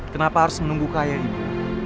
kenapa harus menunggu kaya ibu